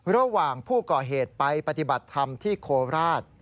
ระหว่างผู้ก่อเหตุไปปฏิบัติธรรมที่โคราช